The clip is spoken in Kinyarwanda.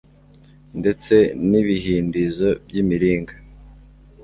ndetse n'ibihindizo by'imiringa